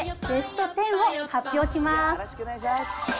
ベスト１０を発表します。